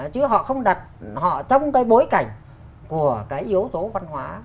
chứ họ không đặt họ trong cái bối cảnh của cái yếu tố văn hóa